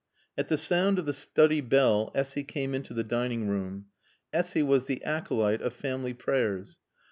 At the sound of the study bell Essy came into the dining room. Essy was the acolyte of Family Prayers.